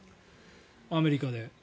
アメリカで。